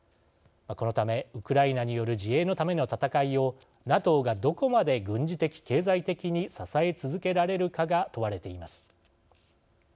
このため、ウクライナによる自衛のための戦いをＮＡＴＯがどこまで軍事的・経済的に支え続けられるかが問われています。